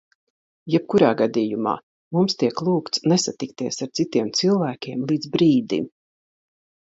Jebkurā gadījumā, mums tiek lūgts nesatikties ar citiem cilvēkiem līdz brīdim.